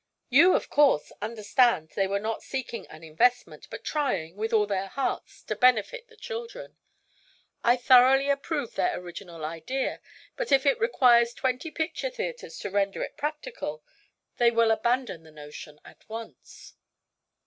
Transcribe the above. You, of course, understand they were not seeking an investment, but trying, with all their hearts, to benefit the children. I thoroughly approve their original idea, but if it requires twenty picture theatres to render it practical, they will abandon the notion at once."